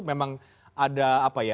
memang ada apa ya